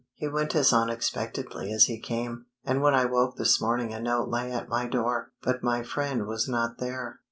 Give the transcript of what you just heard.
He went as unexpectedly as he came, and when I woke this morning a note lay at my door, but my friend was not there."